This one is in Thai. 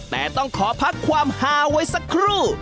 แต่ต้องขอพักความหาไว้สักครู่